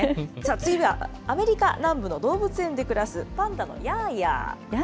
次はアメリカ南部の動物園で暮らすパンダのヤーヤー。